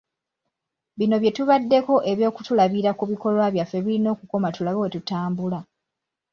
Bino bye tubaddeko eby'okutulabira ku bikolwa byaffe birina okukoma tulabe bwetutambula.